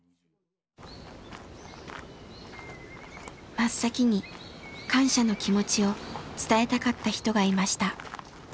真っ先に感謝の気持ちを伝えたかった人がいました。